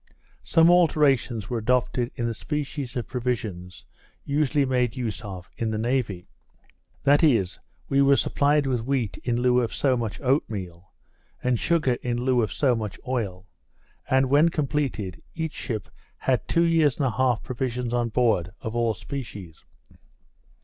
Some alterations were adopted in the species of provisions usually made use of in the navy. That is, we were supplied with wheat in lieu of so much oatmeal, and sugar in lieu of so much oil; and when completed, each ship had two years and a half provisions on board, of all species.